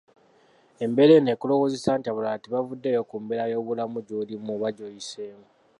Embeera eno ekulowoozesa nti abalala tebafuddeyo ku mbeera y'obulamu gy'olimu oba gy'oyiseemu